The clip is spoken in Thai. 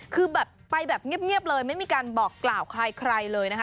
คือแบบไปแบบเงียบเลยไม่มีการบอกกล่าวใครเลยนะคะ